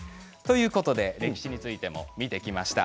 歴史についても見てきました。